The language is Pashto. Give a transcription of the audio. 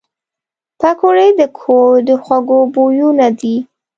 پکورې د کور د خوږو بویونه دي